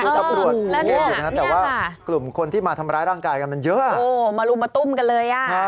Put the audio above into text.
คือตำรวจอยู่นะครับแต่ว่ากลุ่มคนที่มาทำร้ายร่างกายกันมันเยอะนะครับโอ้มาลุมมาตุ้มกันเลยอ่ะ